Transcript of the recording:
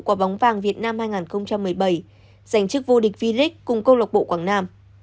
của bóng vàng việt nam hai nghìn một mươi bảy giành chức vô địch vdic cùng câu lộc bộ quảng nam